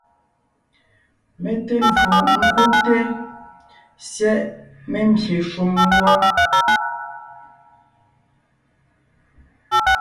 Mé te lwo ńkúbte/syɛ́ʼ membyè shúm wɔ́.